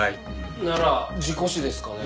なら事故死ですかね？